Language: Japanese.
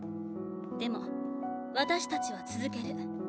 でも私たちは続ける。